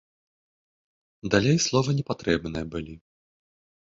Далей словы непатрэбны былі.